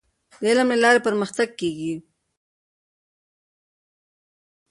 د علم له لارې پرمختګ کیږي.